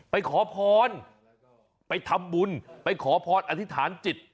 ไปขอพรไปทำบุญไปขอพรอธิษฐานจิต